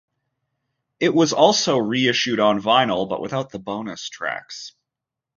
It was also reissued on vinyl, but without the bonus tracks.